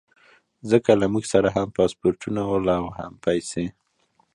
ځکه له موږ سره هم پاسپورټونه ول او هم پیسې.